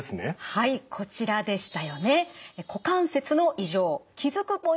はいこちらでしたよね。